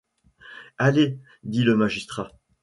Allez ! dit le magistrat.